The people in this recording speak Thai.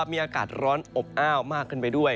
มีอากาศร้อนอบอ้าวมากขึ้นไปด้วย